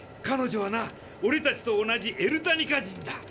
彼女はなオレたちと同じエルタニカ人だ。